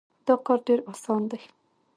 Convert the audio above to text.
دا کار ډېر اسان دی.